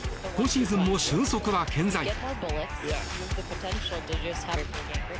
今シーズンも俊足は健在。